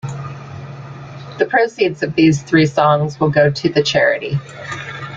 The proceeds of these three songs will go to the charity.